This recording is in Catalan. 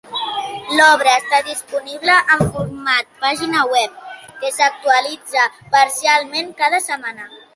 L'obra està disponible en format pàgina web, que s'actualitza parcialment cada setmana.